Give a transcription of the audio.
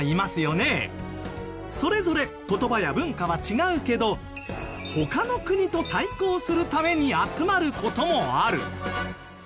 それぞれ言葉や文化は違うけど他の国と対抗するために集まる事もある。